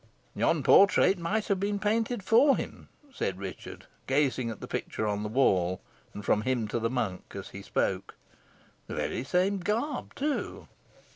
"Yon portrait might have been painted for him," said Richard, gazing at the picture on the wall, and from it to the monk as he spoke; "the very same garb, too."